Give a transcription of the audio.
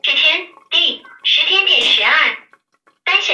方智怡是前交通部高速公路工程局局长方恩绪的最小的女儿。